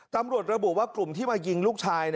ตำรวจระบุว่ากลุ่มที่มายิงลูกชาย